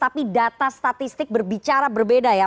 tapi data statistik berbicara berbeda ya